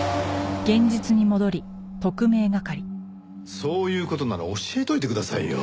そういう事なら教えておいてくださいよ。